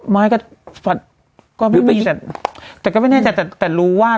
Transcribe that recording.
ไม่ก็ไม่มีแต่รู้ว่า